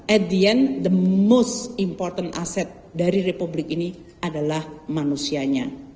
at the end the most important asset dari republik ini adalah manusianya